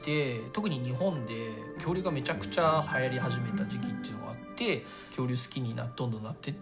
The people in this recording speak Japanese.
特に日本で恐竜がめちゃくちゃはやり始めた時期っていうのがあって恐竜好きにどんどんなってって。